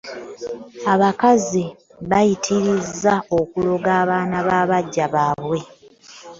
abakazi bbayitirizza okuloga abaana babajja babwe